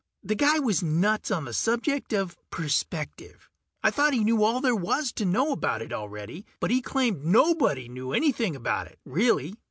The guy was nuts on the subject of perspective. I thought he knew all there was to know about it already, but he claimed nobody knew anything about it, really.